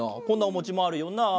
こんなおもちもあるよな。